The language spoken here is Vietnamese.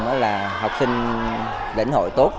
đó là học sinh lĩnh hội tốt